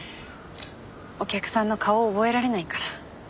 お客さんの顔を覚えられないから。